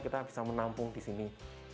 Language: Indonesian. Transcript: kita bisa menampung di sini